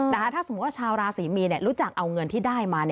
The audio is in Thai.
ถ้าสมมุติว่าชาวราศรีมีนรู้จักเอาเงินที่ได้มา